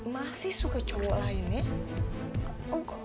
masih suka cowok lain ya